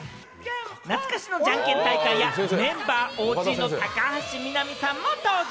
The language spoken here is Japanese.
懐かしのジャンケン大会や、メンバーＯＧの高橋みなみさんも登場。